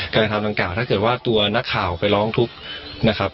กระทำดังกล่าวถ้าเกิดว่าตัวนักข่าวไปร้องทุกข์นะครับ